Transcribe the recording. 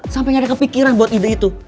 sampai gak ada kepikiran buat ide itu